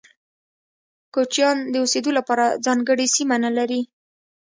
کوچيان د اوسيدو لپاره ځانګړي سیمه نلري.